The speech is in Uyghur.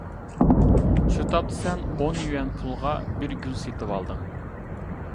شۇ تاپتا سەن ئون يۈەن پۇلغا بىر گۈل سېتىۋالدىڭ.